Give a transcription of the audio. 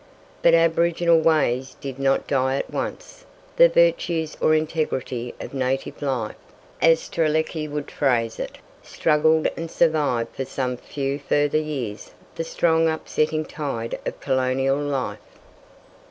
But aboriginal ways did not die at once. The virtues or integrity of native life, as Strzelecki would phrase it, struggled and survived for some few further years the strong upsetting tide of colonial life.